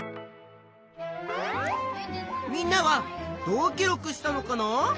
みんなはどう記録したのかな？